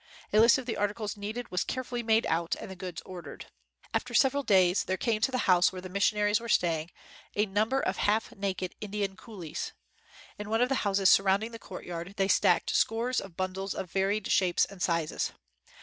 A list of the articles needed was carefully made out and the goods ordered. After several days, there came to the house where the missionaries were staying, a num ber of half naked Indian coolies. In one of the houses surrounding the courtyard, they stacked scores of bundles of varied shapes and sizes.